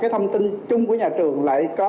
thông tin chung của nhà trường lại có